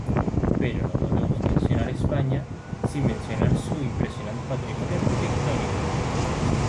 Pero no podemos hablar de España sin mencionar su impresionante patrimonio arquitectónico.